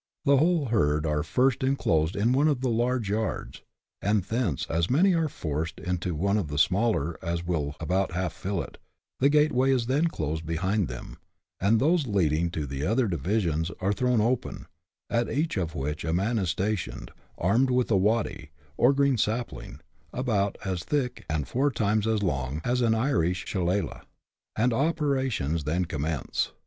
The whole herd are first enclosed in one of the large yards, and thence as many are forced into one of the smaller as will about half fill it ; the gateway is then closed behind them, and those leading to the other divisions are thrown open, at each of which a man is stationed, armed with a " waddy," or green sapling, about as thick, and four times as long, as an Irish shilelagh, and operations then commence.